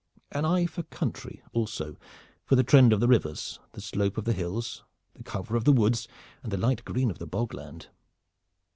An eye for country also, for the trend of the rivers, the slope of the hills, the cover of the woods, and the light green of the bog land."